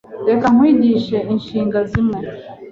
Reka nkwigishe inshinga zimwe.